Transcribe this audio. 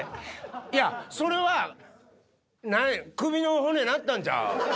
いや、それは、なんや、首の骨なったんちゃう？